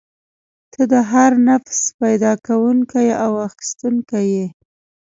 ته د هر نفس پیدا کوونکی او اخیستونکی یې.